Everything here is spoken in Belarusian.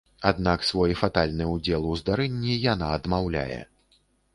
Аднак свой фатальны ўдзел у здарэнні яна адмаўляе.